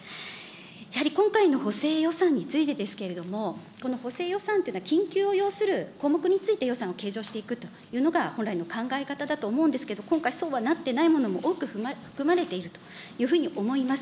やはり今回の補正予算についてですけれども、この補正予算というのは、緊急を要する項目について予算を計上していくというのが本来の考え方だと思うんですけれども、今回、そうはなってないものも多く含まれているというふうに思います。